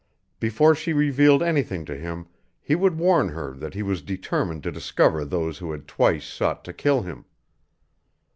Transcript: Before she revealed anything to him he would warn her that he was determined to discover those who had twice sought to kill him.